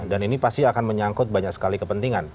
dan ini pasti akan menyangkut banyak sekali kepentingan